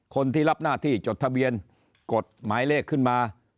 คนที่รับหน้าที่จดทะเบียนกฎหมายเลขขึ้นมา